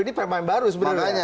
ini permain baru sebenarnya